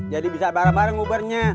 jadi bisa bareng bareng ubarnya